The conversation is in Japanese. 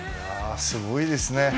すごいですね。